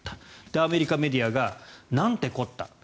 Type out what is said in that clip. アメリカメディアがなんてこったと。